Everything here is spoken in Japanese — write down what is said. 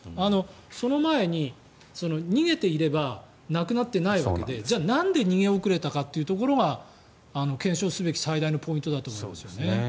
その前に逃げていれば亡くなっていないわけでじゃあなんで逃げ遅れたかというところが検証すべき最大のポイントだと思うんですよね。